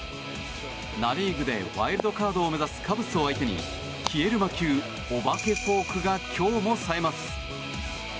ナ・リーグでワイルドカードを目指すカブスを相手に消える魔球、お化けフォークが今日もさえます。